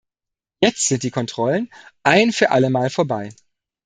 Jetzt sind die Kontrollen ein für allemal vorbei.